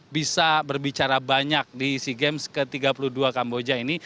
bisa berbicara banyak di sea games ke tiga puluh dua kamboja ini